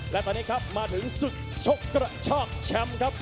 และตอนนี้ครับมาถึงศึกชกกระชากแชมป์ครับ